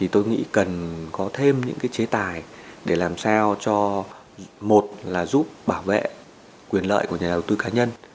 thì làm sao cho một là giúp bảo vệ quyền lợi của nhà đầu tư cá nhân